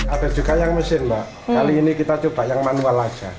ada juga yang mesin mbak kali ini kita coba yang manual aja